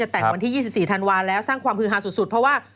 แต่งวันที่๒๔ธันวาแล้วสร้างความฮือฮาสุดเพราะว่า